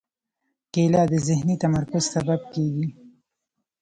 کېله د ذهني تمرکز سبب کېږي.